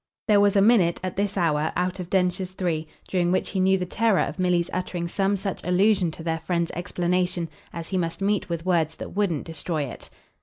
There was a minute, at this hour, out of Densher's three, during which he knew the terror of Milly's uttering some such allusion to their friend's explanation as he must meet with words that wouldn't destroy it.